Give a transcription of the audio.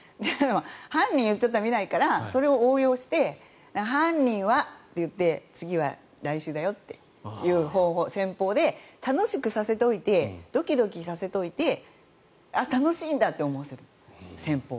犯人が映ったら見ないからそれを応用して犯人はってやって次は来週だよっていう戦法で楽しくさせておいてドキドキさせておいて楽しいんだと思わせる戦法。